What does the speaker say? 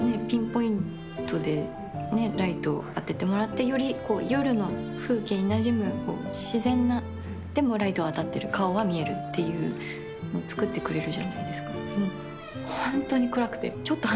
ピンポイントでライト当ててもらってより夜の風景になじむ自然なでもライトは当たってる顔は見えるっていうのを作ってくれるじゃないですか。